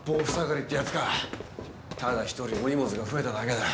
ただ１人お荷物が増えただけだ。